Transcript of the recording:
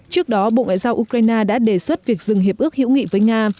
trước đó bộ ngoại giao ukraine đã đề xuất việc dừng hiệp ước hữu nghị với nga